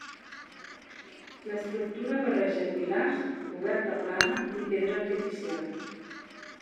L'estructura barreja pilars, coberta plana i pedra artificial.